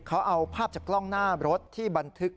เขาเอาภาพจากกล้องหน้ารถที่บันทึก